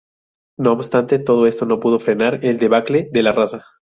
No obstante, todo esto no pudo frenar el debacle de la raza.